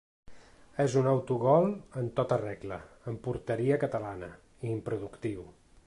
És un autogol en tota regla, en porteria catalana, i improductiu.